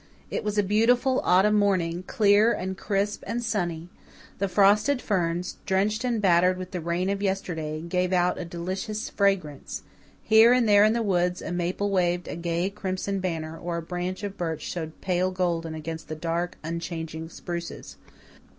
It was a beautiful autumn morning, clear and crisp and sunny; the frosted ferns, drenched and battered with the rain of yesterday, gave out a delicious fragrance; here and there in the woods a maple waved a gay crimson banner, or a branch of birch showed pale golden against the dark, unchanging spruces.